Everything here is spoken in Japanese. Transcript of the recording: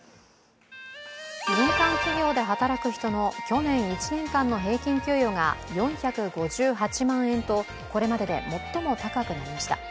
民間企業で働く人の去年１年間の平均給与が４５８万円とこれまでで最も高くなりました。